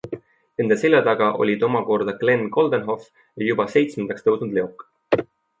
Nende seljataga olid oma korda Glen Coldenhoff ja juba seitsmendaks tõusnud Leok.